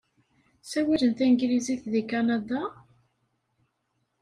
Ssawalen tanglizit deg Kanada?